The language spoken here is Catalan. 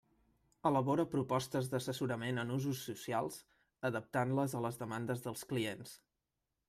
Elabora propostes d'assessorament en usos socials adaptant-les a les demandes dels clients.